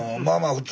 普通。